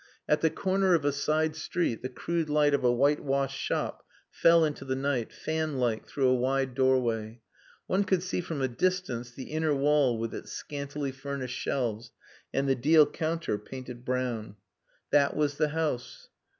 At the corner of a side street the crude light of a whitewashed shop fell into the night, fan like, through a wide doorway. One could see from a distance the inner wall with its scantily furnished shelves, and the deal counter painted brown. That was the house.